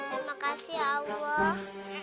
terima kasih allah